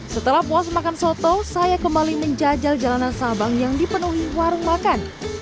setelah puas makan soto saya kembali menjajal jalanan sabang yang dipenuhi warung makan